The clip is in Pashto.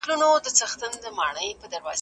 دا پروسه د افغاني کلتور له مخې ډېره مناسبه وه.